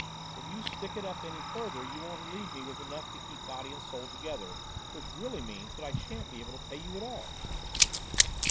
If you stick it up any farther you won't leave me enough to keep body and soul together; which really means that I shan't be able to pay you at all."